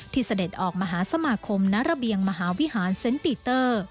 เสด็จออกมหาสมาคมณระเบียงมหาวิหารเซ็นต์ปีเตอร์